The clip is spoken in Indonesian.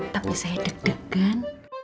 tapi saya deg degan